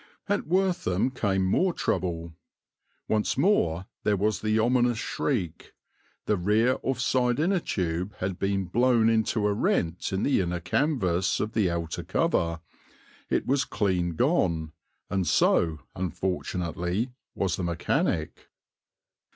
At Wortham came more trouble. Once more there was the ominous shriek. The rear off side inner tube had been blown into a rent in the inner canvas of the outer cover; it was clean gone, and so, unfortunately, was the mechanic.